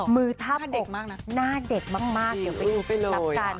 มือท่าบอกหน้าเด็กมากเกี่ยวไปรับกัน